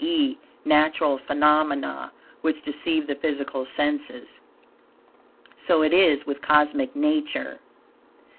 e., natural phenomena, which deceive the physical senses. So it is with Cosmic Nature.